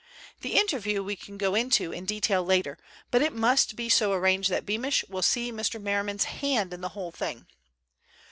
The interview we can go into in detail later, but it must be so arranged that Beamish will see Mr. Merriman's hand in the whole thing.